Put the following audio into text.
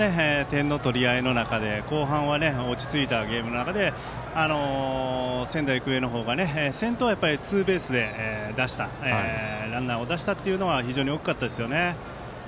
前半は点の取り合いの中で後半は落ち着いたゲームの中で仙台育英の方が先頭はツーベースで出したのは大きかったですよね。